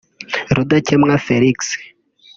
Rudakemwa Felix